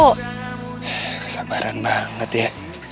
kesabaran banget ya